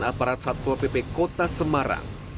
kita akan tindak secara tegas